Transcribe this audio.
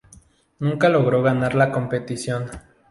Nunca logró ganar la competición.